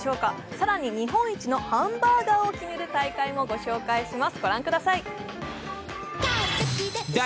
更に日本一のハンバーガーを決める大会もご紹介します。